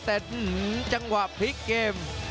แต่จังหวะพลิกเกม